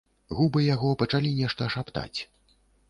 Губы яго пачалі нешта шаптаць.